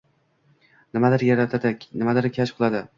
Nimadir yaratadi, nimanidir kashf qiladi